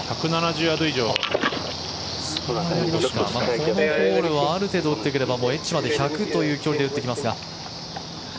このホールはある程度打ってくればエッジまで１００ヤードという距離で打ってきますが。